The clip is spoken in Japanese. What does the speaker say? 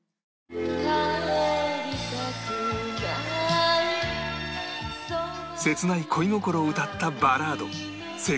「帰りたくない」切ない恋心を歌ったバラード『セカンド・ラブ』